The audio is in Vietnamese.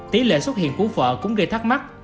tỷ lệ xuất hiện của vợ cũng gây thắc mắc